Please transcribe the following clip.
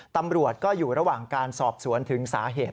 ตำรวจก็อยู่ระหว่างการสอบสวนถึงสาเหตุ